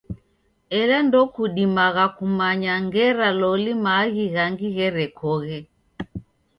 Ela ndokudimagha kumanya ngera loli maaghi ghangi gherekoghe.